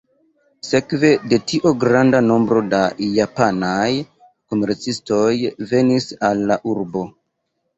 Sekve de tio granda nombro da japanaj komercistoj venis al la urbo.